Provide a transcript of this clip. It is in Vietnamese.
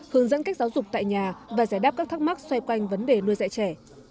hướng dẫn cách giáo dục tại nhà và giải đáp các thắc mắc xoay quanh vấn đề nuôi dạy trẻ